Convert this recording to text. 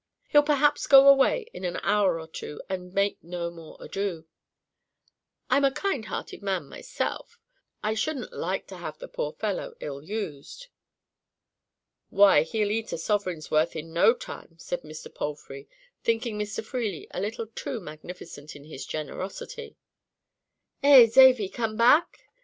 He'll perhaps go away again in an hour or two, and make no more ado. I'm a kind hearted man myself—I shouldn't like to have the poor fellow ill used." "Why, he'll eat a sovereign's worth in no time," said Mr. Palfrey, thinking Mr. Freely a little too magnificent in his generosity. "Eh, Zavy, come back?"